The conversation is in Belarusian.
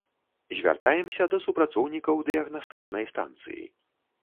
Звяртаемся да супрацоўнікаў дыягнастычнай станцыі.